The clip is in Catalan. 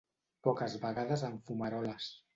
Poques vegades en fumaroles.